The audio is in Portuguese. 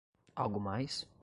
Algo mais?